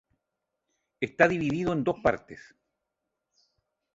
Está dividido en dos partes.